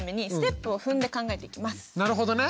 なるほどね。